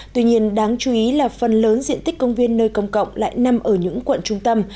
tuy nhiên đáng chú ý là phần lớn diện tích công viên nơi công cộng lại nằm ở những quận trung tâm